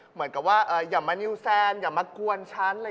เหมือนกับว่าอย่ามานิวแซนอย่ามากวนฉัน